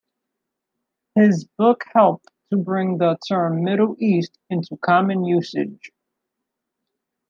His book helped to bring the term Middle East into common usage.